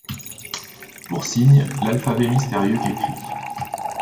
Pour signes, l’alphabet mystérieux qu’écrit